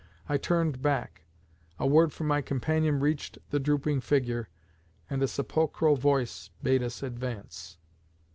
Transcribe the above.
I turned back; a word from my companion reached the drooping figure, and a sepulchral voice bade us advance.